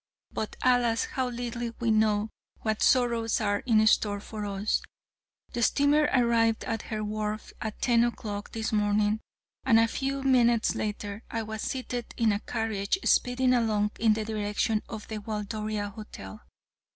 But alas, how little we know what sorrows are in store for us! The steamer arrived at her wharf at ten o'clock this morning, and a few minutes later. I was seated in a carriage speeding along in the direction of the Waldoria Hotel.